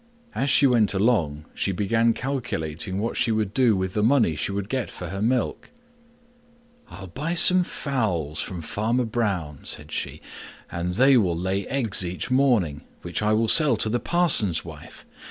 As she went along she began calculating what she would do with the money she would get for the milk. "I'll buy some fowls from Farmer Brown," said she, "and they will lay eggs each morning, which I will sell to the parson's wife.